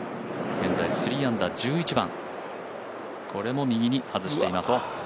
現在３アンダー１１番これも右に外しています。